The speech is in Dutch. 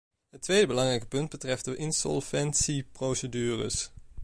Het tweede belangrijke punt betreft de insolventieprocedures.